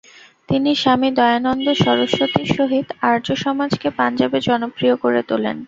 তিনি স্বামী দয়ানন্দ সরসত্বীর সহিত আর্য সমাজকে পাঞ্জাবে জনপ্রিয় করে তোলেন।